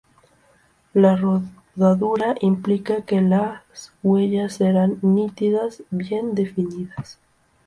La rodadura implica que las huellas serán nítidas, bien definidas.